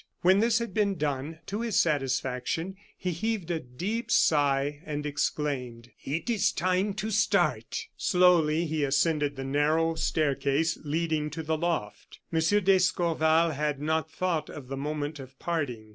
When this had been done to his satisfaction, he heaved a deep sigh, and exclaimed: "It is time to start!" Slowly he ascended the narrow staircase leading to the loft. M. d'Escorval had not thought of the moment of parting.